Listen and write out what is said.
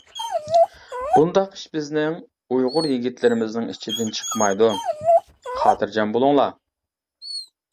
بۇنداق ئىش بىزنىڭ ئۇيغۇر يىگىتلىرىمىزنىڭ ئىچىدىن چىقمايدۇ، خاتىرجەم بولۇڭلار.